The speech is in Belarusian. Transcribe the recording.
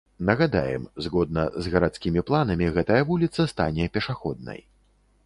Нагадаем, згодна з гарадскімі планамі, гэтая вуліца стане пешаходнай.